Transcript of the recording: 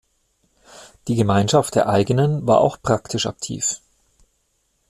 Die Gemeinschaft der Eigenen war auch praktisch aktiv.